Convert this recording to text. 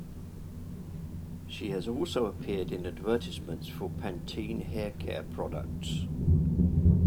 She has also appeared in advertisements for Pantene hair-care products.